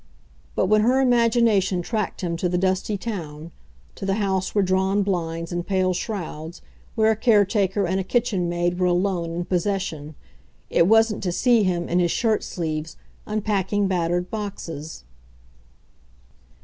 But when her imagination tracked him to the dusty town, to the house where drawn blinds and pale shrouds, where a caretaker and a kitchenmaid were alone in possession, it wasn't to see him, in his shirtsleeves, unpacking battered boxes.